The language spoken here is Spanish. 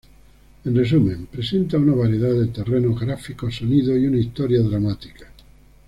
En resumen, presenta una variedad de terreno, gráficos, sonido y una historia dramática.